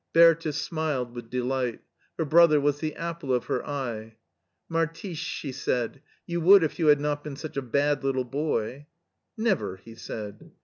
Bertha smiled with delight. Her brother was the apple of her eye. " Martische," she said, " you would if you had not been such a bad little boy." " Never," he said.